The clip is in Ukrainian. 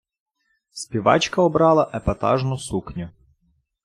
Співачка обрала епатажну сукню.